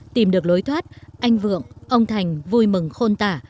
tìm được lối thoát anh vượng ông thành vui mừng khôn tả